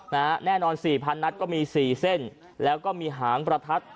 แน่นอนสี่พันนัดก็มีสี่เส้นแล้วก็มีหางประทัด